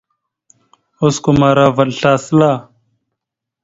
Osko ma ara vaɗ slasəla.